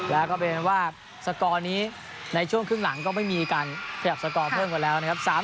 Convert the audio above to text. แล้วก็เป็นว่าสกอร์นี้ในช่วงครึ่งหลังก็ไม่มีการขยับสกอร์เพิ่มกันแล้วนะครับ